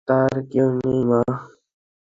তার কেউ নেই, মা।